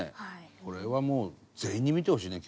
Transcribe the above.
これはもう全員に見てほしいね